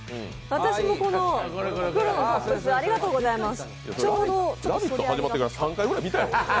私もこの黒のありがとうございます。